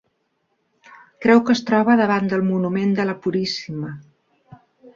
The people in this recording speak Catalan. Creu que es troba davant del Monument de la Puríssima.